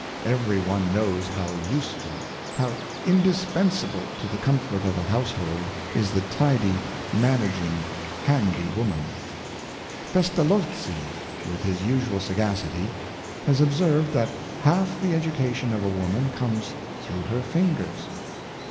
Every one knows how use ful, how indispensable to the comfort of a household, is the tidy, managing, handy woman. Pestalozzi, with his usual sagacity, has observed that half the education of a woman comes through her fingers.